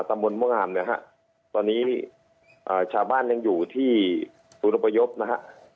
ตำบลม่วงอ่ามเนี่ยฮะตอนนี้อ่าชาวบ้านยังอยู่ที่สุรปยพนะฮะครับ